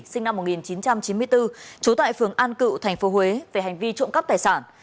sinh năm một nghìn chín trăm chín mươi bốn trú tại phường an cựu tp huế về hành vi trộm cắp tài sản